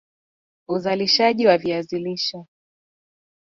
uzalishaji wa viazi lishe